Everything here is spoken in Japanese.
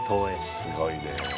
すごいねぇ。